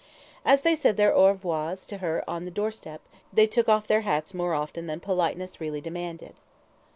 As they said their "Au reservoirs" to her on her doorstep, they took off their hats more often than politeness really demanded.